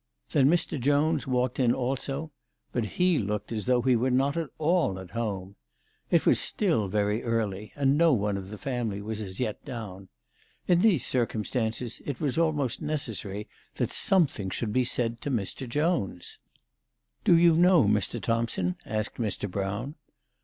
Then Mr. Jones walked in also ; but he looked as though he were not at all at home. It was still very early, and no one of the family was as yet down. In these circumstances it was almost necessary that something should be said to Mr. Jones. 252 CHRISTMAS AT THOMPSON HALL. " Do you know Mr. Thompson? " asked Mr. Brown.